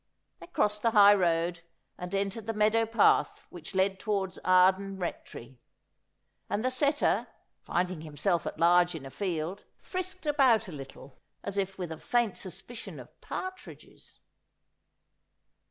They crossed the high road, and entered the meadow path which led towards Arden Rectory ; and the "setter finding himself at large in a field, frisked about a little as if with a faint suspicion of partridges.